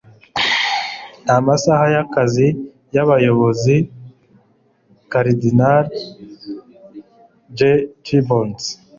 nta masaha y'akazi y'abayobozi. - karidinali j. gibbons